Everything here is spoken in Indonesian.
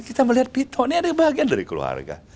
kita melihat pito ini ada bagian dari keluarga